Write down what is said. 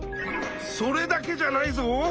それだけじゃないぞ。